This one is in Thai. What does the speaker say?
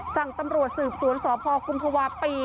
สั่งตำรวจสืบศูนย์สคุณภวาปี